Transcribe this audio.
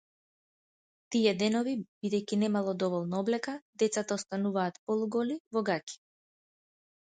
Тие денови, бидејќи немало доволно облека, децата остануваат полуголи, во гаќи.